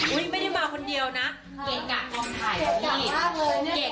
อุ้ยไม่ได้มาคนเดียวนะเกะกะกองถ่ายอันนี้